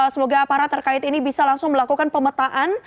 semoga para terkait ini bisa langsung melakukan pemetaan